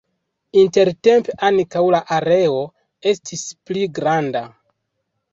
Intertempe ankaŭ la areo estis pli granda.